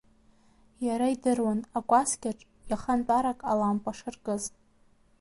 Иара идыруан акәасқьаҿ иахантәарак алампа шаркыз.